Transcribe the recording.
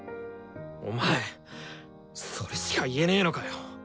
お前それしか言えねえのかよ。